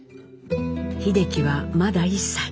秀樹はまだ１歳。